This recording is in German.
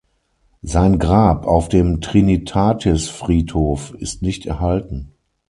Sein Grab auf dem Trinitatisfriedhof ist nicht erhalten.